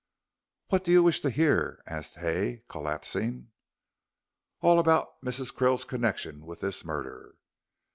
"What do you wish to hear?" asked Hay, collapsing. "All about Mrs. Krill's connection with this murder."